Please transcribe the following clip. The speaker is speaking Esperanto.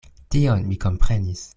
Tion mi komprenis.